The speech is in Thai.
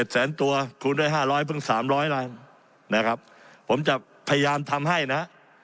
๗แสนตัวคูณด้วย๕๐๐พึ่ง๓๐๐ล้านผมจะพยายามทำให้นะ